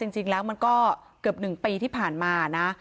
จริงแล้วมันก็เกือบ๑ปีที่ผ่านมานะ